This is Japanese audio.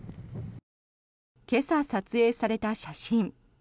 今朝、撮影された写真。